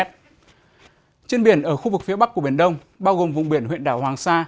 trên biển ở khu vực phía bắc của biển đông bao gồm vùng biển huyện đảo hoàng sa